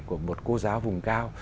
của một cô giáo vùng cao